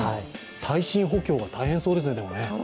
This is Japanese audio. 耐震補強が大変そうですね。